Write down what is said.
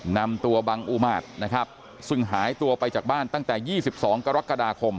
นำตัวบังอุมาตรนะครับซึ่งหายตัวไปจากบ้านตั้งแต่๒๒กรกฎาคม